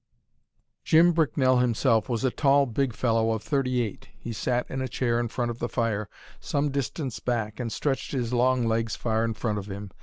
Jim Bricknell himself was a tall big fellow of thirty eight. He sat in a chair in front of the fire, some distance back, and stretched his long legs far in front of him.